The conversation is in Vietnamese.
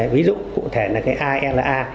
ví dụ cụ thể là cái ala